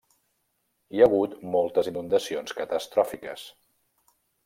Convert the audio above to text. Hi ha hagut moltes inundacions catastròfiques.